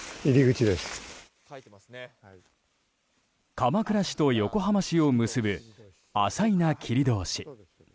鎌倉市と横浜市を結ぶ朝夷奈切通。